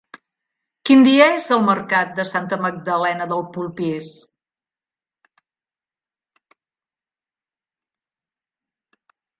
Quin dia és el mercat de Santa Magdalena de Polpís?